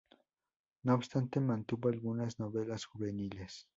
No obstante, mantuvo algunas novelas juveniles.